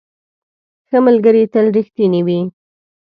ښه ملګري تل رښتیني وي.